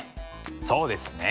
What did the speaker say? そうですね。